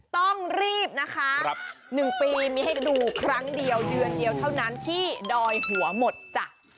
ต้องรีบนะคะ๑ปีมีให้ดูครั้งเดียวเดือนเดียวเท่านั้นที่ดอยหัวหมดจ้ะ